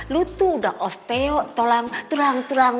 lu udah osteo tolang tolang